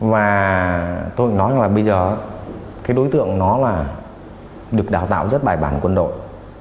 và tôi nói là bây giờ cái đối tượng nó là được đào tạo rất bài bản quân đội